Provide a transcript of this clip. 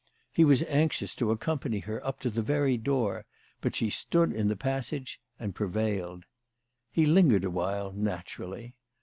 " He was anxious to accompany her up to the very door, but she stood in the passage and prevailed. He lingered awhile naturally.